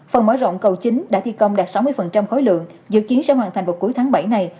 phần mở rộng cầu chính đã thi công đạt sáu mươi khối lượng dự kiến sẽ hoàn thành vào cuối tháng bảy này